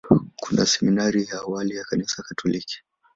Kuna seminari ya awali ya Kanisa Katoliki.